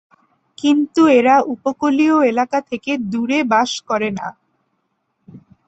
কিন্তু এরা উপকূলীয় এলাকা থেকে দূরে বাস করে না।